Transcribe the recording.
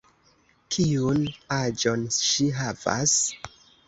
Kiun aĝon ŝi havas?